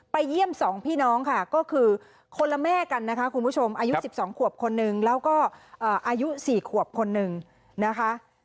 เยี่ยม๒พี่น้องค่ะก็คือคนละแม่กันนะคะคุณผู้ชมอายุ๑๒ขวบคนนึงแล้วก็อายุ๔ขวบคนนึงนะคะ